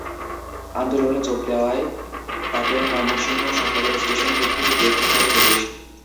আন্দোলনে যোগ দেওয়ায় তাকে ময়মনসিংহ শহরের স্টেশন রোড থেকে গ্রেফতার করে পুলিশ।